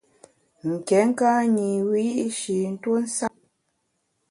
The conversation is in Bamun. Nké ka nyi wiyi’shi ntuo nsap.